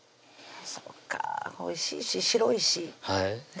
そっかおいしいし白いしね